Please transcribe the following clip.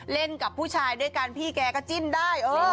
กับผู้ชายด้วยกันพี่แกก็จิ้นได้